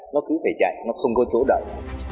nó cứ phải chạy nó không có chỗ đợi